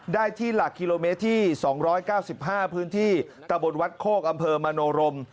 ได้ที่หลักกิโลเมตรที่๒๙๕พื้นที่ตะบนวัดโคกอำเภอมโนรม